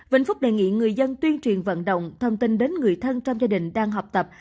vĩnh phúc đề nghị người dân tuyên truyền vận động thông tin đến người thân trong gia đình đang học tập